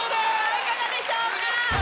いかがでしょうか？